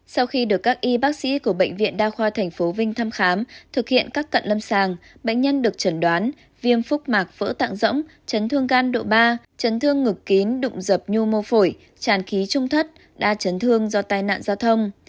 sau khi được các y bác sĩ của bệnh viện đa khoa tp vinh thăm khám thực hiện các cận lâm sàng bệnh nhân được chẩn đoán viêm phúc mạc vỡ tạng rỗng chấn thương gan độ ba chấn thương ngực kín đụng dập nhu mô phổi tràn khí trung thất đa chấn thương do tai nạn giao thông